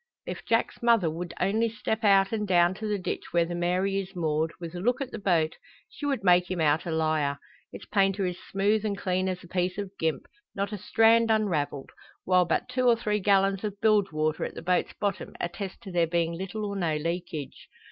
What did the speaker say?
If Jack's mother would only step out, and down to the ditch where the Mary is moored, with a look at the boat, she would make him out a liar. Its painter is smooth and clean as a piece of gimp, not a strand unravelled while but two or three gallons of bilge water at the boat's bottom attest to there being little or no leakage.